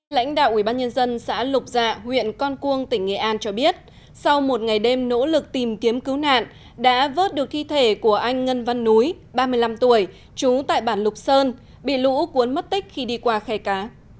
lãnh đạo ubnd xã lục dạ huyện con cuông tỉnh nghệ an cho biết sau một ngày đêm nỗ lực tìm kiếm cứu nạn đã vớt được thi thể của anh ngân văn núi ba mươi năm tuổi trú tại bản lục sơn bị lũ cuốn mất tích khi đi qua khe cá